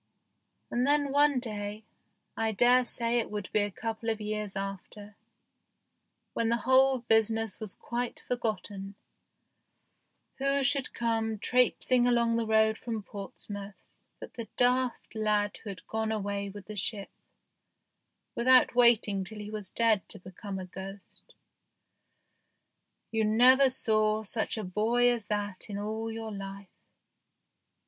And then one day, I dare say it would be a couple of years after, when the whole busi ness was quite forgotten, who should come trapesing along the road from Portsmouth but the daft lad who had gone away with the ship, without waiting till he was dead to be come a ghost. You never saw such a boy as that in all your life.